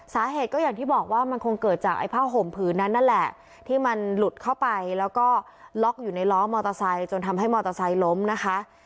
สาเหตุก็อย่างที่บอกว่ามันคงเกิดจากไอ้ผ้าห่มผืนนั้นนั่นแหละที่มันหลุดเข้าไปแล้วก็ล็อกอยู่ในล้อมอเตอร์ไซค์จนทำให้มอเตอร์ไซค์ล้มนะคะ